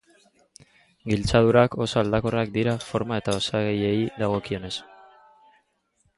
Giltzadurak oso aldakorrak dira forma eta osagaiei dagokienez.